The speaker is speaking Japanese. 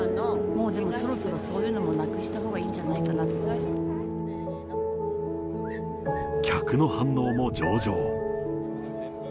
もうでもそろそろそういうのもなくしたほうがいいんじゃないかな客の反応も上々。